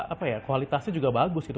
apa ya kualitasnya juga bagus gitu